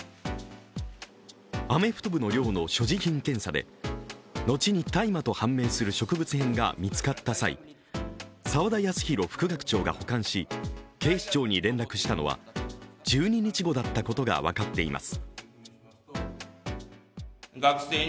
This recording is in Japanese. アメフト部の寮の所持品検査で後に大麻と判明する植物片が見つかった際、澤田康広副学長が保管し警視庁に連絡したのは１２日後だったことがわかっています。